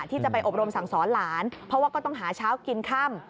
ที่จะไปอบรมสั่งสอนหลานเพราะว่าก็ต้องหาเช้ากินค่ำ